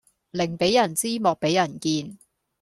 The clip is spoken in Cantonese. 寧俾人知莫俾人見